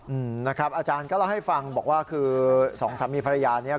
อืมนะครับอาจารย์ก็เล่าให้ฟังบอกว่าคือสองสามีภรรยาเนี้ย